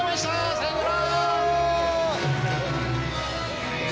さようなら！